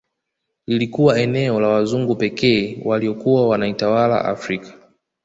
Iilikuwa eneo la wazungu pekee waliokuwa wanaitawala Afrika